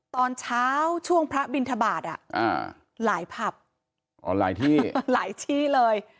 ตอนเช้าช่วงพระบินทบาทอ่ะอ่าหลายผับอ๋อหลายที่หลายที่เลย